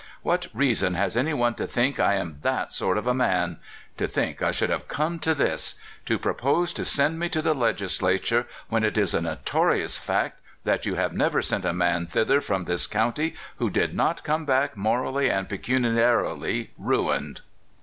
What reason has any one to think I am that sort of a man? To think I should have come to this I To pro pose to send me to the Legislature, when it is a notorious fact that you have never sent a man thither from this county who did not come hack morally and pecuniarily mined!